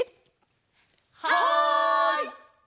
はい！